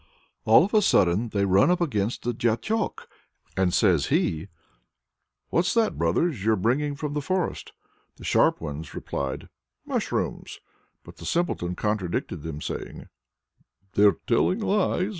All of a sudden they run up against a Diachok, and says he: "What's that, brothers, you're bringing from the forest?" The sharp ones replied, "Mushrooms." But the Simpleton contradicted them, saying: "They're telling lies!